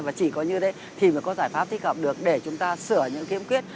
và chỉ có như thế thì mới có giải pháp thích hợp được để chúng ta sửa những kiếm quyết